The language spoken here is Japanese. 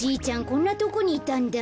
こんなとこにいたんだ。